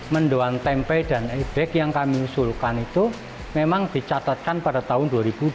mendoan tempe dan ebek yang kami usulkan itu memang dicatatkan pada tahun dua ribu dua puluh